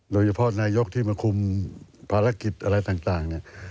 โดยเฉพาะนายกที่มาคุมภารกิจอะไรต่างเนี่ย